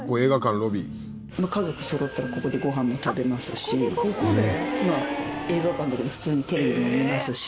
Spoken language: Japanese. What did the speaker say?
家族そろったらここでご飯も食べますしまあ映画館だけど普通にテレビも見ますし。